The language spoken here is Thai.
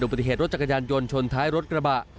ปฏิเหตุรถจักรยานยนต์ชนท้ายรถกระบะ